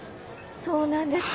そうなんです。